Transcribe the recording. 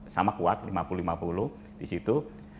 sama kuat lima puluh lima puluh di situ